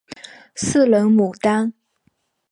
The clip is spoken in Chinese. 四棱牡丹